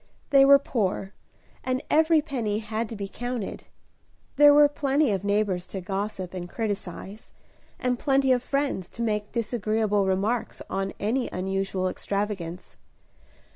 They were poor, and every penny had to be counted. There were plenty of neighbors to gossip and criticise, and plenty of friends to make disagreeable remarks on any unusual extravagance.